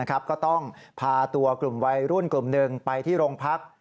ก็ต้องพาตัวกลุ่มวัยรุ่นกลุ่มหนึ่งไปที่โรงพัก